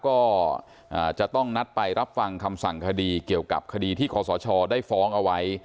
ก็จะต้องนัดไปรับฟังคำสั่งคดีเกี่ยวกับคดีที่ขอสชได้ฟ้องเอาไว้